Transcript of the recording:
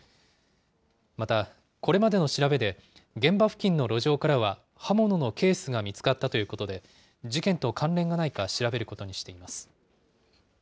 また、これまでの調べで、現場付近の路上からは刃物のケースが見つかったということで、事件と関連がないか調べることにしています。